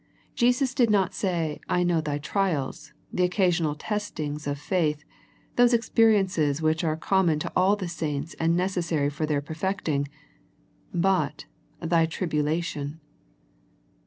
Jesus did not say I know thy trials, the occasional test ings of faith, those experiences which are com mon to all the saints and necessary for their perfecting, but " thy tribulation."